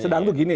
sedang tuh gini